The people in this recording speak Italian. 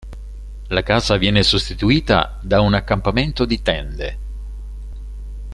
La casa viene sostituita da un accampamento di tende.